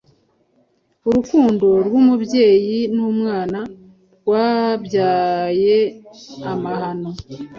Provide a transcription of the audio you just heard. Urukundo rw’umubyeyi n’umwana rwabyaye amahano